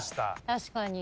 確かに。